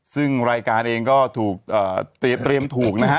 ซึ่งรายการเองก็ถูกเตรียมถูกนะฮะ